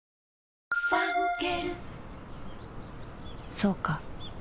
そうか